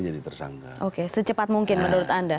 jadi tersangka oke secepat mungkin menurut anda